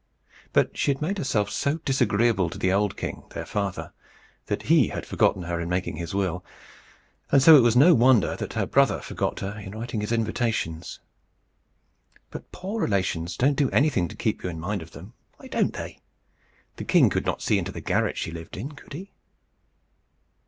But she had made herself so disagreeable to the old king, their father, that he had forgotten her in making his will; and so it was no wonder that her brother forgot her in writing his invitations. But poor relations don't do anything to keep you in mind of them. Why don't they? The king could not see into the garret she lived in, could he?